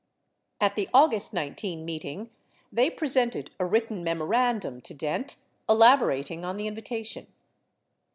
2 At the August 19 meeting, they presented a written memorandum to Dent elaborating on the invitation.